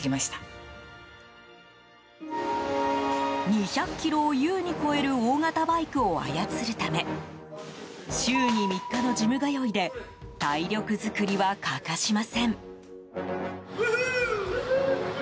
２００ｋｇを優に超える大型バイクを操るため週に３日のジム通いで体力作りは欠かしません。